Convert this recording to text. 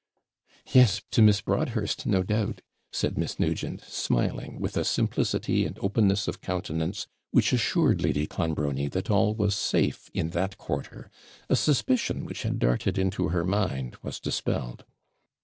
'Yes, to Miss Broadhurst, no doubt,' said Miss Nugent, smiling, with a simplicity and openness of countenance which assured Lady Clonbrony that all was safe in that quarter: a suspicion which had darted into her mind was dispelled.